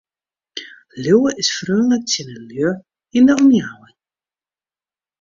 Liuwe is freonlik tsjin de lju yn de omjouwing.